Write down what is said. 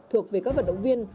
thuộc về các vận động viên